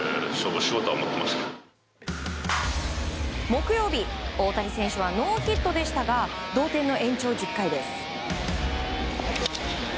木曜日大谷選手はノーヒットでしたが同点の延長１０回です。